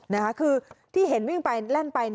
นะครับคือที่เห็นเล่นไป